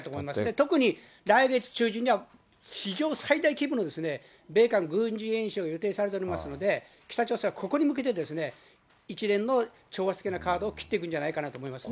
特に、来月中旬には史上最大規模の米韓軍事演習が予定されておりますので、北朝鮮はここに向けて、一連の挑発的なカードを切っていくんじゃないかなと思いますね。